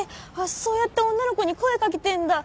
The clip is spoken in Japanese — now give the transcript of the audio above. そうやって女の子に声掛けてんだ。